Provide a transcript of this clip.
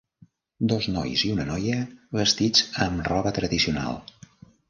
Dos nois i una noia vestits amb roba tradicional.